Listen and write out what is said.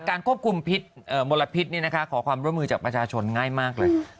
ควบคุมพิษมลพิษขอความร่วมมือจากประชาชนง่ายมากเลย